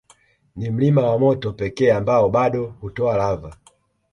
Ni mlima wa moto pekee ambao bado hutoa lava